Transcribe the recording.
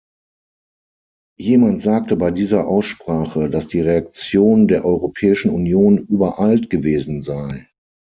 Jemand sagte bei dieser Aussprache, dass die Reaktion der Europäischen Union übereilt gewesen sei.